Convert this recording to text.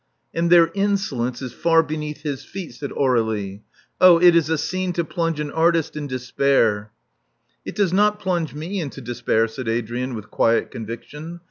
'* And their insolence is far beneath his feet," said Aur^lie. 0h, it is a scene to plunge an artist in despair." It does not plunge me into despair," said Adrian, with quiet conviction.